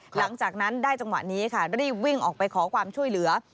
หลังจากนั้นได้จังหวะนี้ค่ะรีบวิ่งออกไปขอความช่วยเหลือ